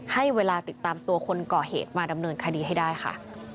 ให้เวลาติดตามตัวคนก่อเหตุมาดำเนินคดีให้ได้ค่ะ